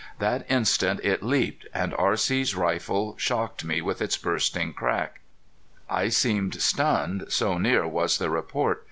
That instant it leaped, and R.C.'s rifle shocked me with its bursting crack. I seemed stunned, so near was the report.